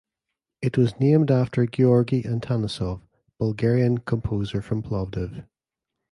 It was named after Georgi Atanasov Bulgarian composer from Plovdiv.